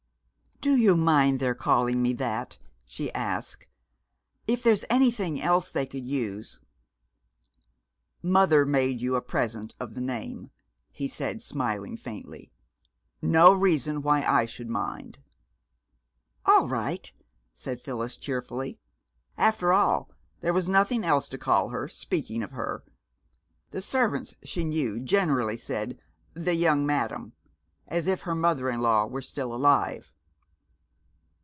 "Do you mind their calling me that?" she asked. "If there's anything else they could use " "Mother made you a present of the name," he said, smiling faintly. "No reason why I should mind." "All right," said Phyllis cheerfully. After all, there was nothing else to call her, speaking of her. The servants, she knew, generally said "the young madam," as if her mother in law were still alive.